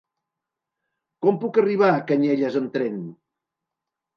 Com puc arribar a Canyelles amb tren?